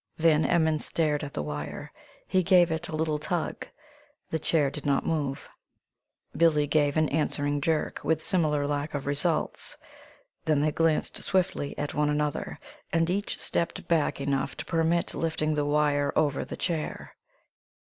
Van Emmon stared at the wire. He gave it a little tug. The chair did not move. Billie gave an answering jerk, with similar lack of results. Then they glanced swiftly at one another, and each stepped back enough to permit lifting the wire over the chair.